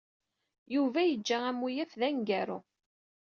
Yuba yeǧǧa amuyaf d aneggaru.